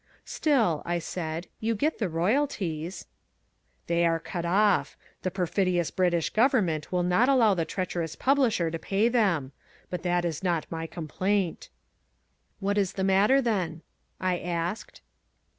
"Still," I said, "you get the royalties." "They are cut off. The perfidious British Government will not allow the treacherous publisher to pay them. But that is not my complaint." "What is the matter, then?" I asked.